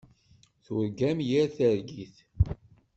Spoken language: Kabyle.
Turgam yir targit.